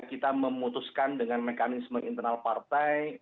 kita memutuskan dengan mekanisme internal partai